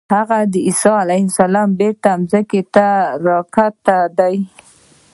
هغه د عیسی علیه السلام بېرته ځمکې ته راتګ دی.